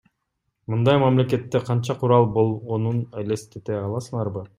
Мындай мамлекетте канча курал болгонун элестете аласыңарбы?